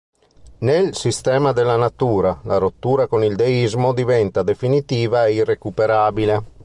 Nel "Sistema della Natura" la rottura con il deismo diventa definitiva e irrecuperabile.